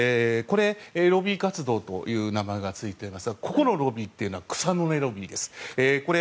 ロビー活動という名前がついていますがここのロビーというのは草の根ロビーです。